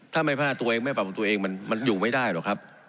ถ้าไม่พลาดตัวเองไม่ปรับของตัวเองมันอยู่ไม่ได้หรอกครับ